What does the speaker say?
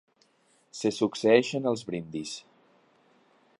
Se succeeixen els brindis.